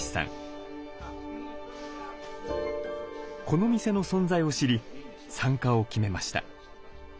この店の存在を知り参加を決めました。